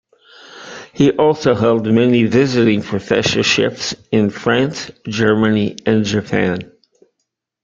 He also held many visiting professorships in France, Germany and Japan.